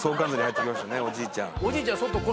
おじいちゃん